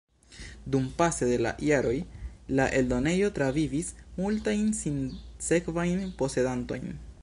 Dumpase de la jaroj la eldonejo travivis multajn sinsekvajn posedantojn.